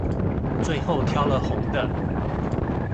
最後挑了紅的